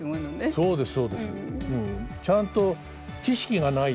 そうですね。